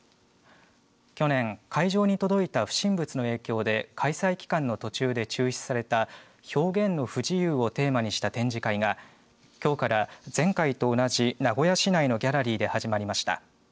去年会場に届いた不審物の影響で開催期間の途中で中止された表現の不自由をテーマにした展示会がきょうから前回と同じ名古屋市内のギャラリーで始まりました。